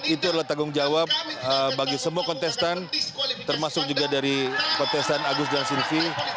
itu adalah tanggung jawab bagi semua kontestan termasuk juga dari kontestan agus dan silvi